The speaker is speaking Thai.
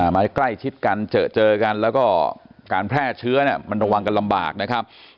มาให้ใกล้ชิดกันเจอกันแล้วก็การแพร่เชื้อมันระวังกันลำบากนะครับ